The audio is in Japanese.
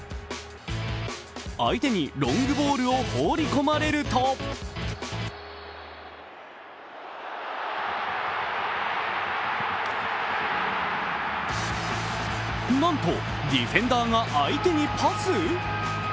相手にロングボールを放り込まれるとなんと、ディフェンダーが相手にパス？